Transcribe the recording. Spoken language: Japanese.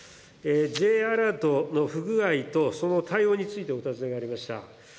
Ｊアラートの不具合とその対応についてお尋ねがありました。